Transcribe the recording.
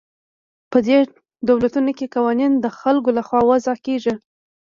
په دې دولتونو کې قوانین د خلکو له خوا وضع کیږي.